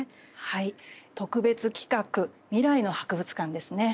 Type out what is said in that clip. はい、特別企画「未来の博物館」ですね。